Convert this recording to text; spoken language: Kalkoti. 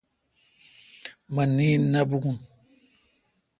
مہ نیند نہ بوُن